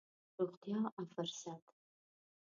روغتيا او فرصت.